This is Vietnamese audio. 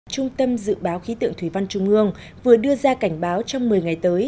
trung tâm dự báo khí tượng thủy văn trung ương vừa đưa ra cảnh báo trong một mươi ngày tới